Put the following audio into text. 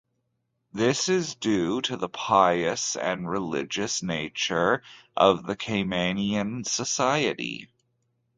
This is due to the pious and religious nature of Caymanian society.